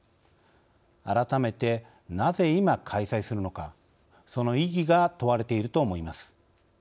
改めてなぜ今開催するのかその意義が問われていると思います。